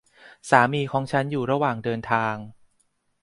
สามีของฉันอยู่ระหว่างเดินทาง